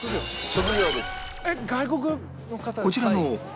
職業です。